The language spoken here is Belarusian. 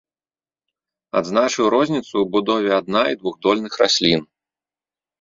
Адзначыў розніцу ў будове адна- і двухдольных раслін.